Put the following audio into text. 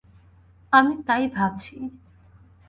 আমি তাই ভাবছি।